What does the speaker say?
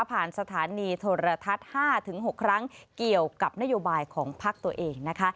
ผ่านสถานีทอนรทัศน์๕๖ครั้งเกี่ยวกับนโยบายของภาคตัวเองนะคะ